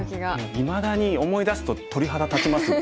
いまだに思い出すと鳥肌立ちますもん。